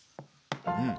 うん。